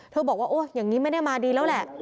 บอกว่าโอ๊ยอย่างนี้ไม่ได้มาดีแล้วแหละ